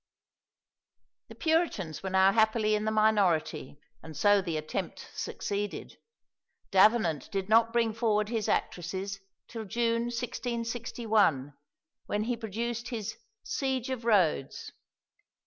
The Puritans were now happily in the minority, and so the attempt succeeded. Davenant did not bring forward his actresses till June 1661, when he produced his "Siege of Rhodes."